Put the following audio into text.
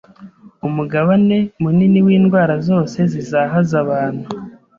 Umugabane munini w’indwara zose zizahaza abantu